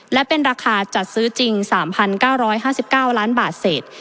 และเป็นราคาจัดซื้อจริง๓๙๕๙ล้านบาทเศษ